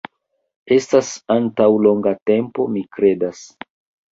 Estas antaŭ longa tempo, mi kredas